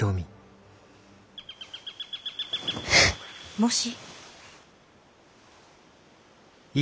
・もし。